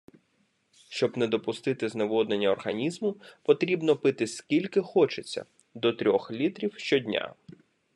Щоб не допустити зневоднення організму, потрібно пити скільки хочеться – до трьох літрів щодня